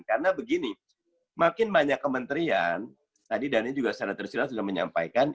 karena begini makin banyak kementerian tadi dhani juga secara tersilap sudah menyampaikan